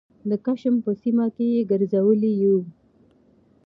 د کشم په سیمه کې یې ګرځولي یوو